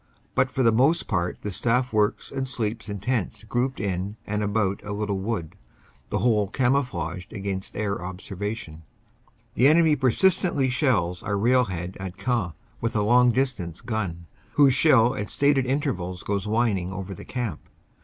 But for the most part the staff works and sleeps in tents grouped in and about a little wood, the whole camouflaged against air observation. The enemy persistently shells our railhead at Queant with a long distance gun, whose shell at stated intervals goes whin ing over the camp.